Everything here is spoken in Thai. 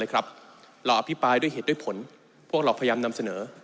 เราอภิปรายด้วยเหตุด้วยผลพวกเราพยายามนำเสนอ